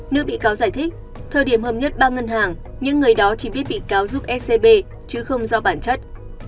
nữ bị cáo giải thích thời điểm hợp nhất ba ngân hàng những người đó chỉ biết bị cáo giúp scb chứ không do bản chất